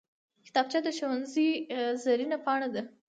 کتابچه د ښوونځي زرینه پاڼه ده